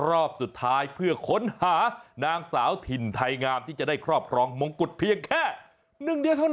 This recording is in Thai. รอบสุดท้ายเพื่อค้นหานางสาวถิ่นไทยงามที่จะได้ครอบครองมงกุฎเพียงแค่หนึ่งเดียวเท่านั้น